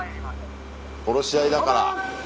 殺し合いだから。